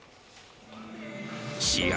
試合